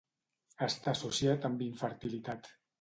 Està associat amb infertilitat.